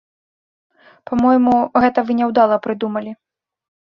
Па-мойму, гэта вы няўдала прыдумалі.